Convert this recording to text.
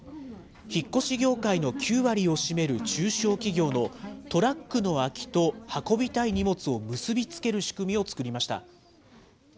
引っ越し業界の９割を占める中小企業のトラックの空きと運びたい荷物を結び付ける仕組みを作りました。